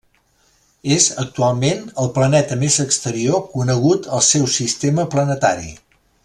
És actualment el planeta més exterior conegut al seu sistema planetari.